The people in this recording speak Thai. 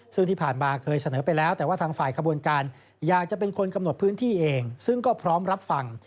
ซึ่งที่ผ่านมาเคยเสนอไปแล้วแต่ว่าทางฝ่ายขบวนการอยากจะเป็นคนกำหนดพื้นที่เองซึ่งก็พร้อมรับฟัง